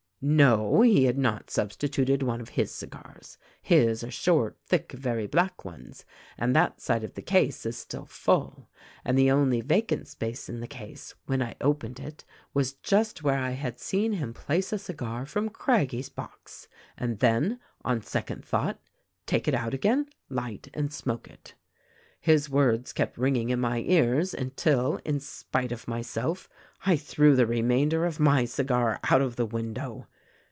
"No ; he had not substituted one of his cigars ! His are short, thick, very black ones ; and that side of the case is still full, and the only vacant space in the case, when I opened it, was just where I had seen him place a cigar from Craggie's box, and then — on second thought — take it out again, light and smoke it. "His words kept ringing in my ears until, in spite of my self, I threw the remainder of my cigar out of the window.